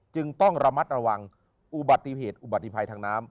จึงต้องระมัดระวังอุบัติเหตุอุบัติภัยทางน้ำ